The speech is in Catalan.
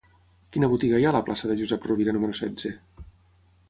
Quina botiga hi ha a la plaça de Josep Rovira número setze?